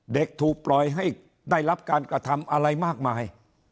ถูกปล่อยให้ได้รับการกระทำอะไรมากมาย